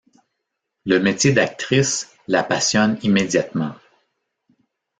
Le métier d'actrice la passionne immédiatement.